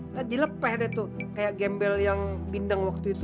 lagi lepeh deh tuh kayak gembel yang bindeng waktu itu